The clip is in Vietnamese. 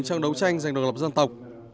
trong đấu tranh giành độc lập dân tộc